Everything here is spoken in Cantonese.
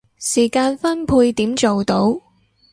時間分配點做到